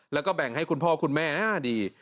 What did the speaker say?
แล้วก็แบ่งให้คุณพ่อคุณแม่ดี